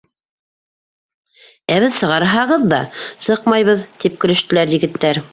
— Ә беҙ сығарһағыҙ ҙа сыҡмайбыҙ, — тип көлөштөләр егеттәр.